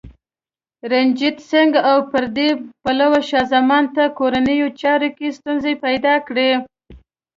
رنجیت سنګ او پردي پلوو شاه زمان ته کورنیو چارو کې ستونزې پیدا کړې.